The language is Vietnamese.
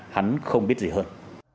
hắn không biết gì hơn